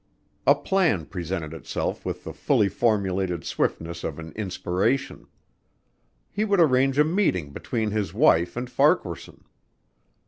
A plan presented itself with the fully formulated swiftness of an inspiration. He would arrange a meeting between his wife and Farquaharson.